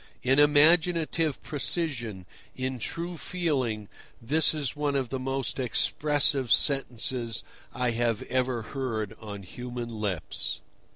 In imaginative precision, in true feeling, this is one of the most expressive sentences I have ever heard on human lips.